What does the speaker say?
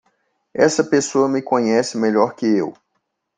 Essa pessoa me conhece melhor que eu.